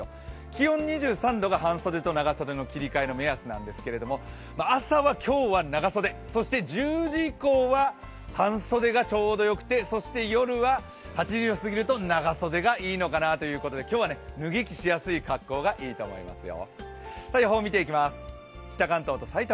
気温２３度が、半袖と長袖の切り替えの目安なんですけど、朝は今日は長袖、１０時以降は半袖がちょうどよくてそして夜は８時を過ぎると長袖がいいのかなという感じで今日は脱ぎ着しやすい格好がいいと思いますよ